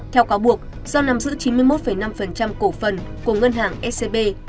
theo cáo buộc do nắm giữ chín mươi một năm cổ phần của ngân hàng scb